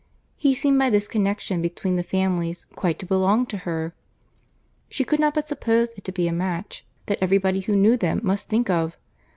He seemed by this connexion between the families, quite to belong to her. She could not but suppose it to be a match that every body who knew them must think of.